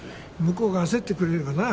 向こうが焦ってくれればな。